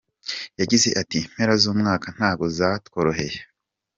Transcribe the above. Yagize ati “Impera z’umwaka ntago zatworoheye.